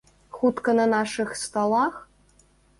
Хутка на нашых сталах?